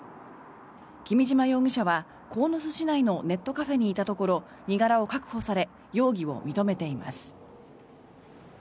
君島容疑者は鴻巣市内のネットカフェにいたところ身柄を確保され容疑を認めています。